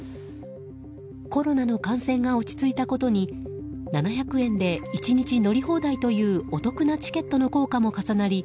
コロナの感染が落ち着いたことに７００円で１日乗り放題というお得なチケットの効果も重なり